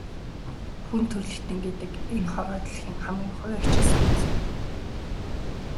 Хүн төрөлхтөн гэдэг энэ хорвоо дэлхийн хамгийн хувиа хичээсэн амьтад.